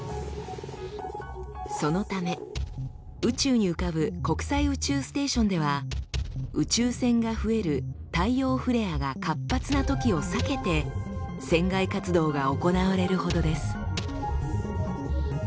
そのため宇宙に浮かぶ国際宇宙ステーションでは宇宙線が増える太陽フレアが活発なときを避けて船外活動が行われるほどです。